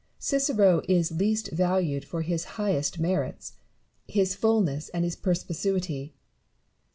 Cicero is least valued for his highest merits, his fulness, and his perspicuity.